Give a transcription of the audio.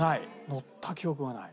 乗った記憶がない。